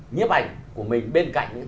nhiếp ảnh của mình bên cạnh thành tựu rất